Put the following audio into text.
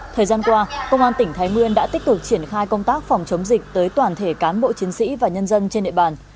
thời gian qua công an tỉnh thái nguyên đã tích cực triển khai công tác phòng chống dịch tới toàn thể cán bộ chiến sĩ và nhân dân trên địa bàn